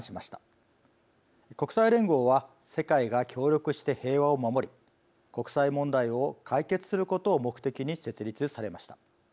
国際連合は世界が協力して平和を守り国際問題を解決することを目的に設立されました。